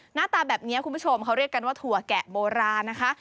หน้าตาแบบนี้คุณผู้ชมเขาเรียกกันว่าถั่วแกะโบราณนะคะ